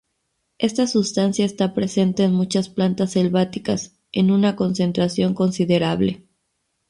Esta sustancia esta presente en muchas plantas selváticas, en una concentración considerable.